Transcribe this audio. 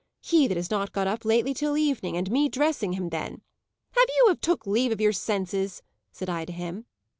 he that has not got up lately till evening, and me dressing him then! 'Have you took leave of your senses?' said I to him.